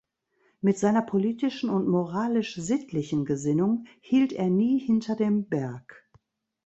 Mit seiner politischen und moralisch-sittlichen Gesinnung hielt er nie hinter dem Berg.